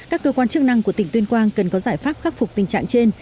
các cơ quan chức năng của tỉnh tuyên quang cần có giải pháp khắc phục tình trạng trên